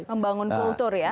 membangun kultur ya